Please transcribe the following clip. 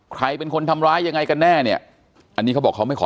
ใครเป็นคนทำร้ายยังไงกันแน่เนี่ยอันนี้เขาบอกเขาไม่ขอ